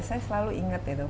saya selalu ingat ya